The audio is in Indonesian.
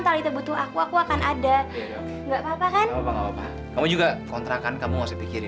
tapi aku gak pernah beli merek ini